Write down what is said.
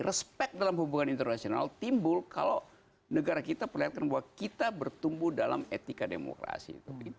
respect dalam hubungan internasional timbul kalau negara kita perlihatkan bahwa kita bertumbuh dalam etika demokrasi